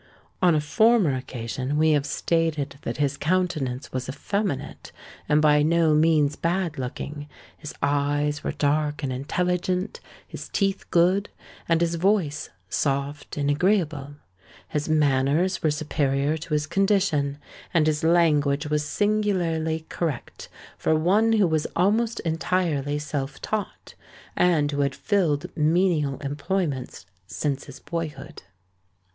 On a former occasion we have stated that his countenance was effeminate and by no means bad looking; his eyes were dark and intelligent; his teeth good; and his voice soft and agreeable. His manners were superior to his condition; and his language was singularly correct for one who was almost entirely self taught, and who had filled menial employments since his boyhood.